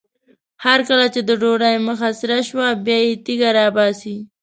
هر کله چې د ډوډۍ مخ سره شو بیا یې تیږه راباسي.